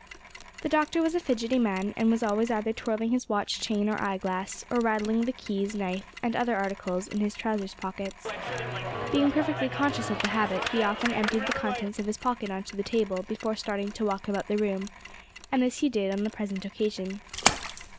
The Doctor was a fidgety man, and was always either twirling his watch chain or eye glass, or rattling the keys, knife, and other articles in his trousers pockets. Being perfectly conscious of the habit, he often emptied the contents of his pocket on to the table before starting to walk about the room, and this he did on the present occasion.